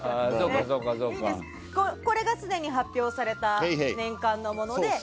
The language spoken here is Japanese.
これがすでに発表された年間のものです。